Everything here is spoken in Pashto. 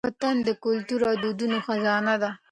وطن د کلتور او دودونو خزانه ده.